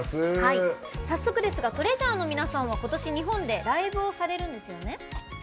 早速ですがＴＲＥＡＳＵＲＥの皆さんはことし日本でライブをされるんですよね？